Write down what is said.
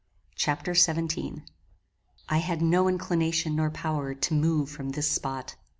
Chapter XVII I had no inclination nor power to move from this spot.